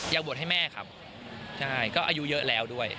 บวชให้แม่ครับใช่ก็อายุเยอะแล้วด้วย